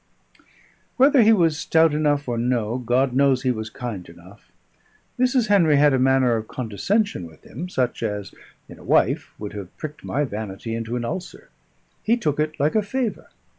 Whether he was stout enough or no, God knows he was kind enough. Mrs. Henry had a manner of condescension with him, such as (in a wife) would have pricked my vanity into an ulcer; he took it like a favour.